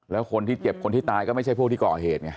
แล้วคนที่เจ็บคนที่ตายก็ไม่ใช่พวกที่ก่อเหตุไง